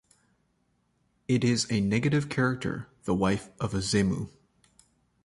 It is a negative character, the wife of a zmeu.